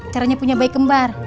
caranya punya bayi kembar